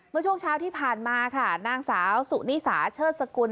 เมื่อช่วงเช้าที่ผ่านมาค่ะนางสาวสุนิสาเชิดสกุล